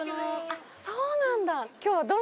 そうなんだ。